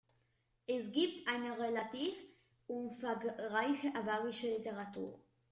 Es gibt eine relativ umfangreiche awarische Literatur.